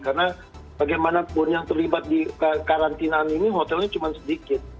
karena bagaimanapun yang terlibat di karantinaan ini hotelnya cuma sedikit